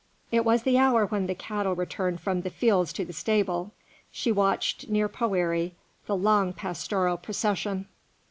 It was the hour when the cattle returned from the fields to the stable. She watched near Poëri the long pastoral procession.